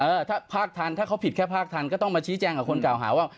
เออถ้าภาคทันถ้าเขาผิดแค่ภาคทันก็ต้องมาชี้แจงกับคนเก่าหาว่า